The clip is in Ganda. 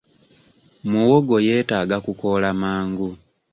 Muwogo yeetaaga kukoola mangu.